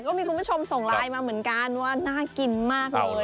ก็มีคุณผู้ชมส่งไลน์มาเหมือนกันว่าน่ากินมากเลย